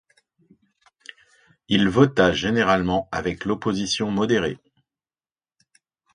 Il vota généralement avec l'opposition modérée.